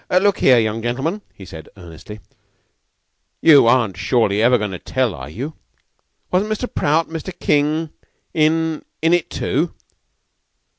"Look 'ere, young gentlemen," he said, earnestly. "You aren't surely ever goin' to tell, are you? Wasn't Mr. Prout and Mr. King in in it too?"